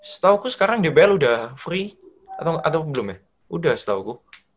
setahuku sekarang dbl udah free atau belum ya udah setahuku